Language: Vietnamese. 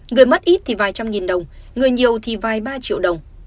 người mất ít thì vài trăm nghìn đồng người nhiều thì vài ba triệu đồng